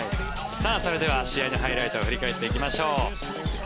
それでは試合のハイライトを振り返っていきましょう。